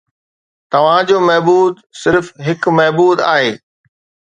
توهان جو معبود صرف هڪ معبود آهي